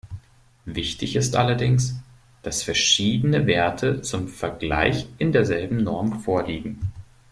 Wichtig ist allerdings, dass verschiedene Werte zum Vergleich in derselben Norm vorliegen.